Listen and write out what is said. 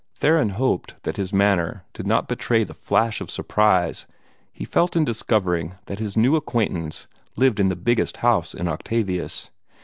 Theron hoped that his manner did not betray the flash of surprise he felt in discovering that his new acquaintance lived in the biggest house in Octavius.